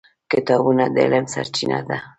کتابونه د علم سرچینه ده.